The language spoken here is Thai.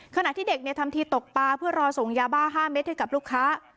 ขณะที่เด็กเนี้ยทำทีตกปลาเพื่อรอส่งยาบ้าห้าเม็ดเทียดกับลูกค้า